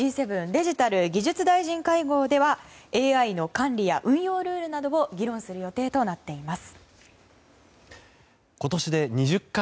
デジタル技術会合ではＡＩの管理や運用ルールなどを議論する予定怒鳴っています。